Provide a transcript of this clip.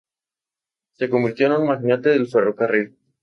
Se convirtió en un magnate del ferrocarril.